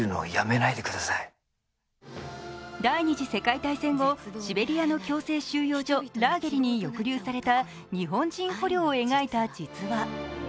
第二次世界大戦後、シベリアの強制収容所・ラーゲリに抑留された日本人捕虜を描いた実話。